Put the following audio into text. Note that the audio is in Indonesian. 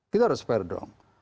kita harus fair dong